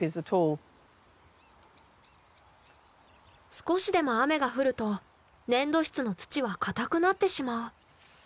少しでも雨が降ると粘土質の土はかたくなってしまう。